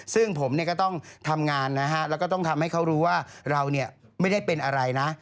ซึ่งผมก็ต้องทำงานนะฮะแล้วก็ต้องทำให้เขารู้ว่าเราไม่ได้เป็นอะไรนะ